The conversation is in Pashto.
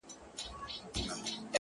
په پوهېږمه که نه د وجود ساز دی;